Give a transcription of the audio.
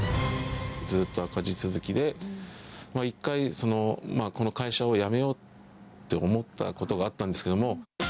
ずっと赤字続きで、一回、この会社を辞めようって思ったことがあったんですけども。